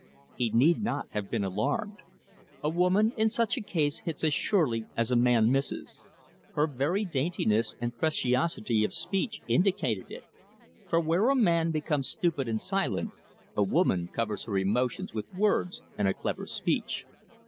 He need not have been alarmed. A woman in such a case hits as surely as a man misses. Her very daintiness and preciosity of speech indicated it. For where a man becomes stupid and silent, a woman covers her emotions with words and a clever speech.